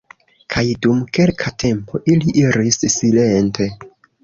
Kaj dum kelka tempo ili iris silente.